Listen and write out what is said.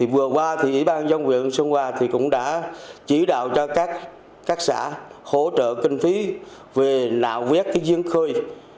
vừa qua thì ủy ban dân quyện sông hòa cũng đã chỉ đạo cho các xã hỗ trợ kinh phí về nạo vét cái giếng khơi